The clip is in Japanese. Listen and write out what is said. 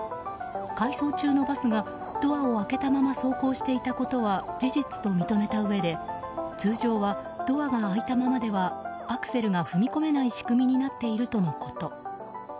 回送中のバスがドアを開けたまま走行していたことは事実と認めたうえで通常はドアが開いたままではアクセルが踏み込めない仕組みになっているとのこと。